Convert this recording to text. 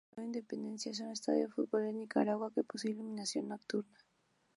El Estadio Independencia es un estadio de fútbol en Nicaragua que posee iluminación nocturna.